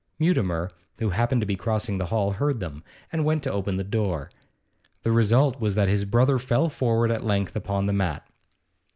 Mutimer, who happened to be crossing the hall, heard them, and went to open the door. The result was that his brother fell forward at full length upon the mat.